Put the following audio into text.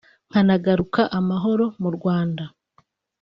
nkanagaruka amahoro mu Rwanda